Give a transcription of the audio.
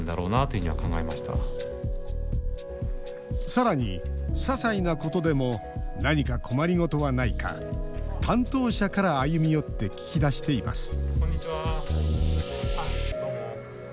さらに、ささいなことでも何か困りごとはないか担当者から歩み寄って聞き出しています